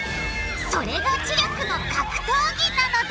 それが知力の格闘技なのだ！